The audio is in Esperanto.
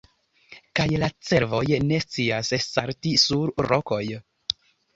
Kaj la cervoj ne scias salti sur rokoj.